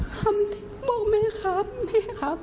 คำที่บอกมีครับไม่ครับ